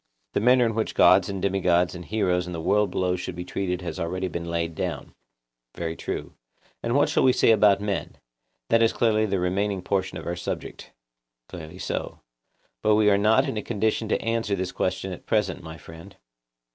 The manner in which gods and demigods and heroes and the world below should be treated has been already laid down. Very true. And what shall we say about men? That is clearly the remaining portion of our subject. Clearly so. But we are not in a condition to answer this question at present, my friend.